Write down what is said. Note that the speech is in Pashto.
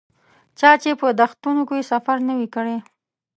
چا چې په دښتونو کې سفر نه وي کړی.